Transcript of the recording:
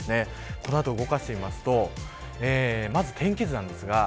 この後、動かしていきますとまず天気図です。